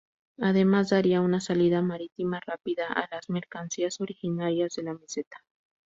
Además, daría una salida marítima rápida a las mercancías originarias de la Meseta.